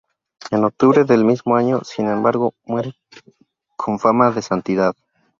En octubre del mismo año, sin embargo, muere con fama de santidad.